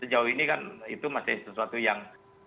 sejauh ini kan itu masih sesuatu yang